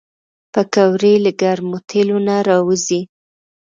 پکورې له ګرم تیلو نه راوځي